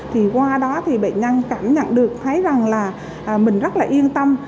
thì qua đó thì bệnh nhân cảm nhận được thấy rằng là mình rất là yên tâm